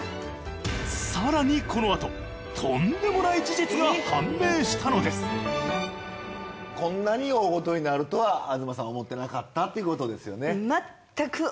更にこのあととんでもない事実が判明したのですこんなに大ごとになるとは東さん思ってなかったってことですよね。